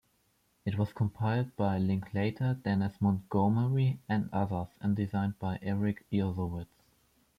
It was compiled by Linklater, Denise Montgomery, and others, and designed by Erik Josowitz.